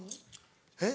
えっ？